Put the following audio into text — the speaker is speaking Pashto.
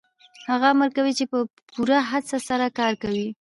هغه امر کوي چې په پوره هڅې سره کار وکړئ